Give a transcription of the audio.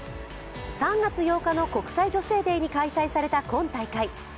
３月８日の国際女性デーに開催された今大会。